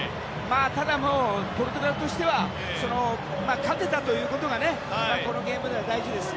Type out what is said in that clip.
ただ、ポルトガルとしては勝てたということがこのゲームでは大事です。